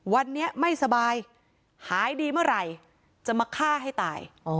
วันนี้ไม่สบายหายดีเมื่อไหร่จะมาฆ่าให้ตาย